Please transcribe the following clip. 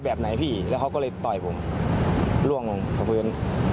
แบบไหนพี่แล้วเขาก็เลยต่อยผมล่วงลงกับพื้น